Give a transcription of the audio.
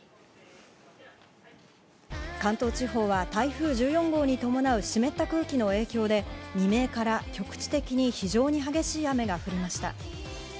関東地方は台風１４号に伴う湿った空気の影響で未明から局地的に非常に激しい雨が降りました。